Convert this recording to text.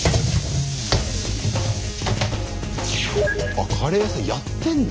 あっカレー屋さんやってんだ。